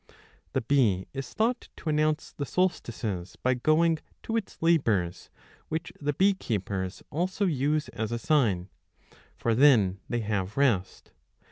The bee is thought to announce the solstices by going 64 to its labours, which the bee keepers also use as a sign, 25 for then they have rest.